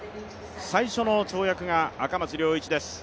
最初の跳躍が赤松諒一です。